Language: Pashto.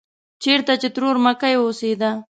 چېرته چې ترور مکۍ اوسېده.